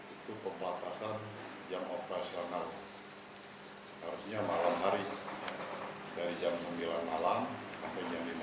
itu pembatasan jam operasional harusnya malam hari dari jam sembilan malam sampai jam lima